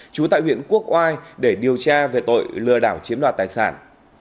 trú tại huyện quốc oai để điều tra về tội lừa đảo chiếm đoạt tài sản